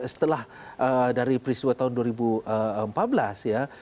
setelah dari peristiwa tahun dua ribu empat belas ya